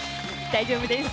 大丈夫です！